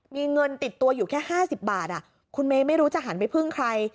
มีเงินติดตัวอยู่แค่๕๐บาทคุณเมย์ไม่รู้จะหันไปพึ่งใคร